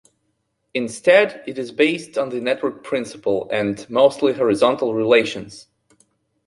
Instead, it is based on the network principle and mostly horizontal relations.